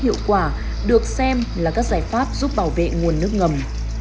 hiệu quả được xem là các giải pháp giúp bảo vệ nguồn nước ngầm